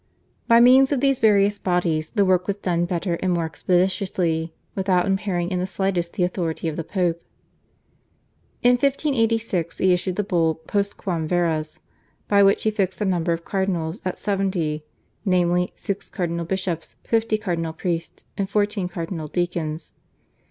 By means of these various bodies the work was done better and more expeditiously without impairing in the slightest the authority of the Pope. In 1586 he issued the Bull, /Postquam verus/ by which he fixed the number of cardinals at seventy, namely, six cardinal bishops, fifty cardinal priests and fourteen cardinal deacons.